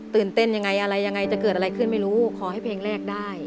เต้นยังไงอะไรยังไงจะเกิดอะไรขึ้นไม่รู้ขอให้เพลงแรกได้